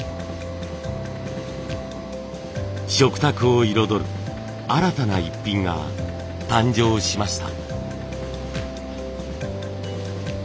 食卓を彩る新たなイッピンが誕生しました。